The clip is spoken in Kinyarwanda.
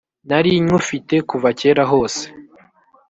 nari nywufite kuva kera kose,